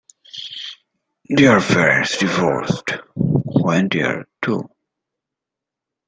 Their parents divorced when they were two.